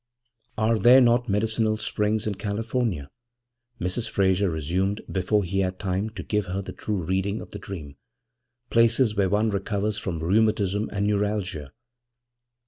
'Are there not medicinal springs in California?' Mrs. Frayser resumed before he had time to give her the true reading of the dream 'places where one recovers from rheumatism and neuralgia?